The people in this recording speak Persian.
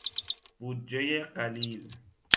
بودجهی قلیل